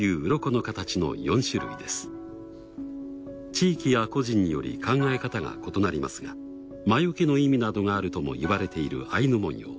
地域や個人により考え方が異なりますが魔除けの意味などがあるとも言われているアイヌ文様。